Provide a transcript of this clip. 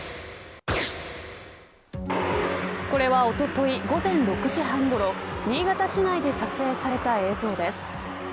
これはおととい午前６時半ごろ新潟市内で撮影された映像です。